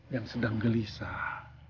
yang sedang gelisah